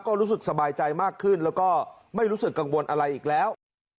ก็รู้สึกสบายใจมากขึ้นแล้วก็ไม่รู้สึกกังวลอะไรอีกแล้ว